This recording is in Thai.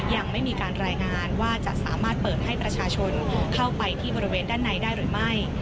ยังไม่มีการรายงานว่าจะสามารถเปิดให้ประชาชนเข้าไปที่บริเวณด้านในได้หรือไม่